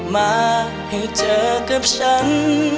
มาให้เจอกับฉัน